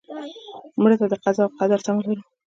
مړه ته د قضا او قدر تمه لرو